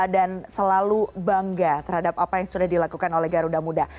dan selalu bangga terhadap apa yang sudah dilakukan oleh garuda muda